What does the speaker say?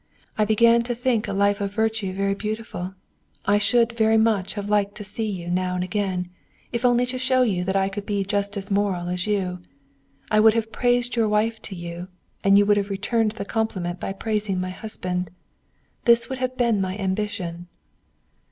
I began to think a life of virtue very beautiful. I should very much have liked to see you now and again, if only to show you that I could be just as moral as you. I would have praised your wife to you, and you would have returned the compliment by praising my husband. This would have been my ambition."